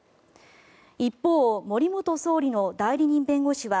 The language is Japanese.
一方、森元総理の代理人弁護士は